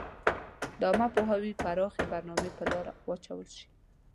د عامه پوهاوي پراخي برنامي په لاره واچول شي.